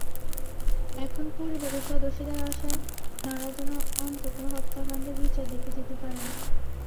এখন পরিবারের সদস্যদের আশা, তাঁরা যেন অন্তত হত্যাকাণ্ডের বিচার দেখে যেতে পারেন।